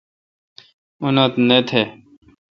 اُنت نہ تہ۔